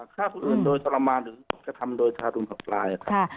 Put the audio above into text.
ข้าสุดอื่นโดยสละมาหรือศักดิ์ธรรมโดยทารุณหดร้าย